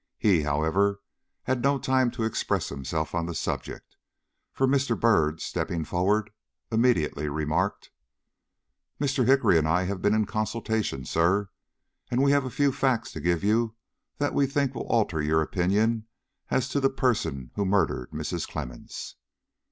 He, however, had no time to express himself on the subject, for Mr. Byrd, stepping forward, immediately remarked: "Mr. Hickory and I have been in consultation, sir; and we have a few facts to give you that we think will alter your opinion as to the person who murdered Mrs. Clemmens."